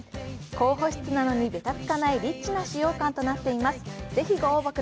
高保湿なのにべたつかない、リッチな使用感となっています。